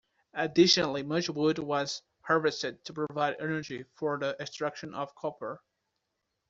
Additionally, much wood was harvested to provide energy for the extraction of copper.